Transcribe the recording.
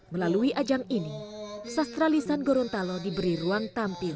melalui ajang ini sastralisan gorontalo diberi ruang tampil